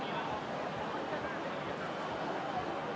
สวัสดีครับ